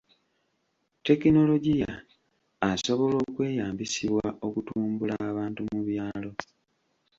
Tekinologiya asobola okweyambisibwa okutumbula abantu mu byalo.